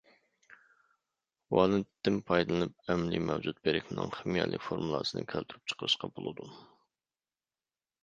ۋالېنتتىن پايدىلىنىپ ئەمەلىي مەۋجۇت بىرىكمىنىڭ خىمىيەلىك فورمۇلىسىنى كەلتۈرۈپ چىقىرىشقا بولىدۇ.